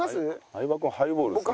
相葉君ハイボール好き。